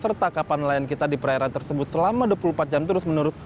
serta kapal nelayan kita di perairan tersebut selama dua puluh empat jam terus menerus